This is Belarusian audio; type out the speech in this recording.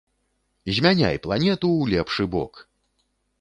Змяняй планету ў лепшы бок!